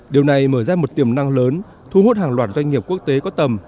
điều này mở ra một tiềm năng lớn thu hút hàng loạt doanh nghiệp quốc tế có tầm